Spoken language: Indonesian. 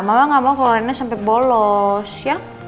mama gak mau kalau rena sampai bolos ya